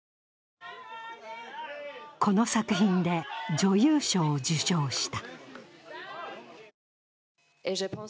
この作品で女優賞を受賞した。